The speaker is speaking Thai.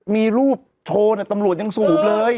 มีรูปโชว์ตำรวจยังสูงภพเลย